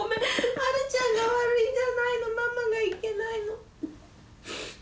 あるちゃんが悪いんじゃないのママがいけないの。